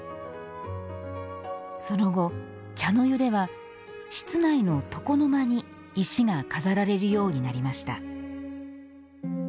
その後、茶の湯では室内の床の間に石が飾られるようになりました。